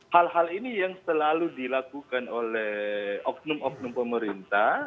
hal hal ini yang selalu dilakukan oleh oknum oknum pemerintah